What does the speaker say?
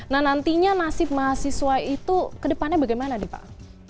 nah nantinya nasib mahasiswa itu kedepannya bagaimana pak